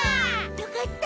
よかった！